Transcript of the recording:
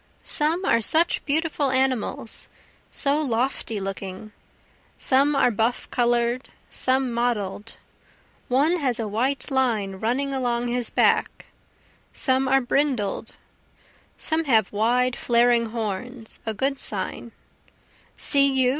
some are such beautiful animals, so lofty looking; Some are buff color'd, some mottled, one has a white line running along his back, some are brindled, Some have wide flaring horns (a good sign) see you!